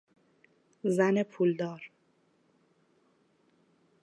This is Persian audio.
زن پولدار